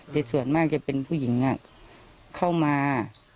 แต่ส่วนมากจะเป็นผู้หญิงเข้ามา